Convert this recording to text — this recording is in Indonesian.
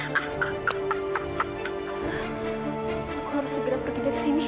aku harus segera pergi dari sini